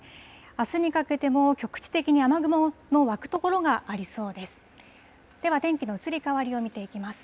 あすにかけても、局地的に雨雲の湧く所がありそうです。